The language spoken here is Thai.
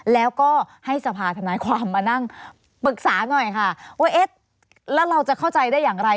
แล้วก็ให้สภาธนายความมานั่งปรึกษาหน่อยค่ะว่าเอ๊ะแล้วเราจะเข้าใจได้อย่างไร